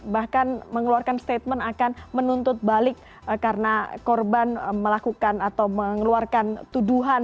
bahkan mengeluarkan statement akan menuntut balik karena korban melakukan atau mengeluarkan tuduhan